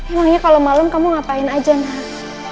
emangnya kalau malam kamu ngapain aja nak